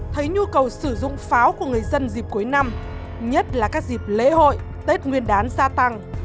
thấy nhu cầu sử dụng pháo của người dân dịp cuối năm nhất là các dịp lễ hội tết nguyên đán gia tăng